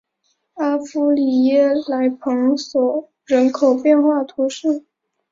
阿夫里耶莱蓬索人口变化图示